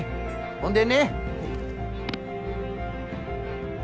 ほんでね。